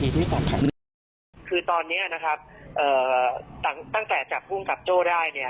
ทำให้องค์กรได้รับความเสียหาย